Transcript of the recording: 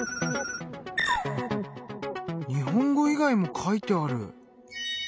日本語以外も書いてある。